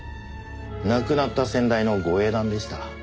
亡くなった先代のご英断でした。